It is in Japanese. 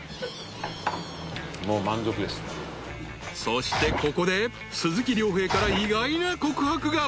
［そしてここで鈴木亮平から意外な告白が］